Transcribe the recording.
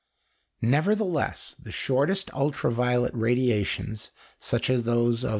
Nevertheless the shortest ultra violet radiations, such as those of M.